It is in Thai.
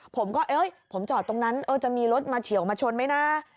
ผมก็ผมจอดตรงนั้นจะมีรถมาเฉียวมาชนไหมนะ